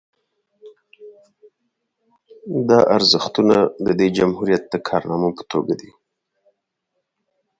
دا ارزښتونه د دې جمهوریت د کارنامو په توګه دي